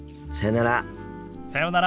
さようなら。